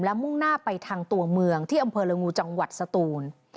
มุ่งหน้าไปทางตัวเมืองที่อำเภอลงงูจังหวัดสตูน